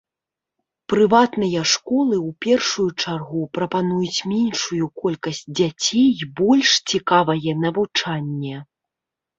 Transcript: Прыватныя школы ў першую чаргу прапануюць меншую колькасць дзяцей і больш цікавае навучанне.